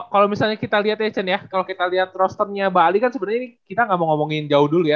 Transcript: kalo misalnya kita liat ya chen ya kalo liat roster nya bali kan sebenernya ini kita gak mau ngomongin jauh dulu ya